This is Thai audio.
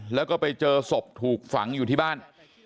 แล้วก็ไปเจอศพถูกฝังอยู่ที่บ้าน